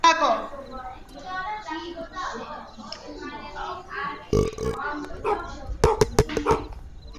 ბრძოლა დასრულდა ოსმალეთის არმიის გამარჯვებით.